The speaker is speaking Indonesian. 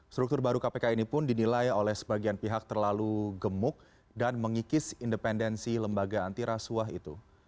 struktur baru kpk ini pun dinilai oleh sebagian pihak terlalu gemuk dan mengikis independensi lembaga antirasuah itu